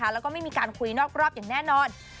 แล้วก็ไม่มีการคุยนอกรอบอย่างแน่นอน